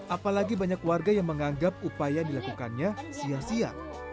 apalagi banyak warga yang menganggap upaya dilakukannya sia sia